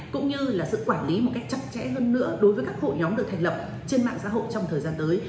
cũng như là sự quản lý một cách chặt chẽ hơn nữa đối với các hội nhóm được thành lập trên mạng xã hội trong thời gian tới